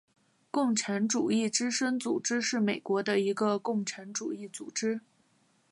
共产主义之声组织是美国的一个共产主义组织。